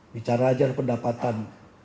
bicara ajar pendapatan